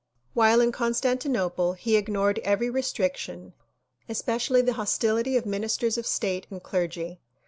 While in Constantinople he ignored every restriction, especially the hostility of ministers of state and clergy.